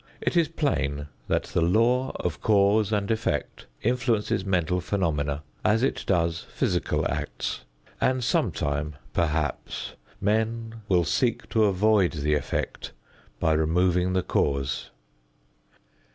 It is plain that the law of cause and effect influences mental phenomena as it does physical acts, and sometime, perhaps, men will seek to avoid the effect by removing the cause.